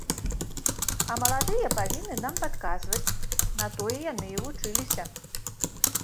А маладыя павінны нам падказваць, на тое яны і вучыліся.